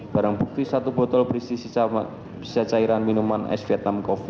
barang bukti satu botol berisi sisa cairan minuman es vietnam coffee